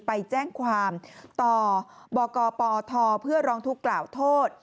ไปแจ้งความต่อบกปทเพื่อร้องทุกข์กล่าวโทษ